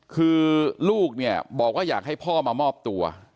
คือลูกเนี่ยบอกว่าอยากให้พ่อมามอบตัว